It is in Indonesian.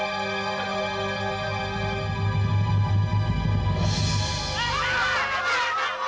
yang gimana yang lagi berubah dia